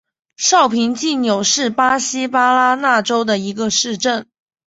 绍平济纽是巴西巴拉那州的一个市镇。